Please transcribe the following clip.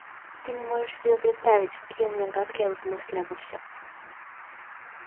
Ты не можешь себе представить, какие у меня гадкие мысли обо всем.